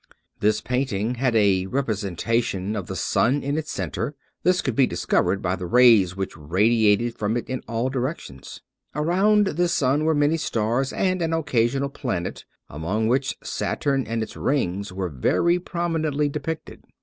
This painting had a representation of the sun in its center. This could be discovered by the rays which radiated from it in all directions. Around this sun were many stars, and an occasional planet, among which Saturn and its rings were very prominently depicted.